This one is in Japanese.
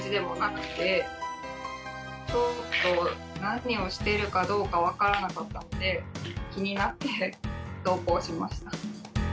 何をしているかどうかわからなかったので気になって投稿しました。